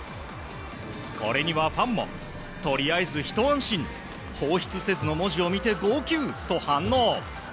これにはファンもとりあえず一安心放出せずの文字を見て号泣と反応。